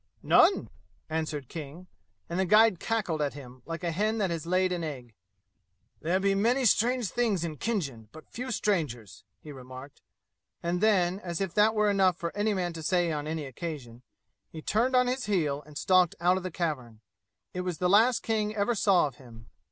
"None!" answered King, and the guide cackled at him, like a hen that has laid an egg. "There be many strange things in Khinjan, but few strangers!" he remarked; and then, as if that were enough for any man to say on any occasion, he turned on his heel and stalked out of the cavern. It was the last King ever saw of him.